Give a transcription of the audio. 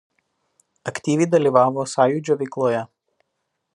Aktyviai dalyvavo Sąjūdžio veikloje.